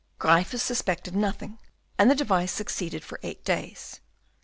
Gryphus suspected nothing, and the device succeeded for eight days.